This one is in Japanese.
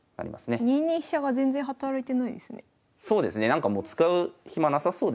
なんかもう使う暇なさそうですよね。